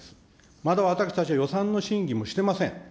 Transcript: まだ私たちは予算の審議もしてません。